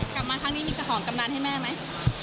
กลับมาข้างนี้มีของกำนานให้แม่ไหม